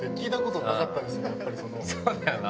そうだよな。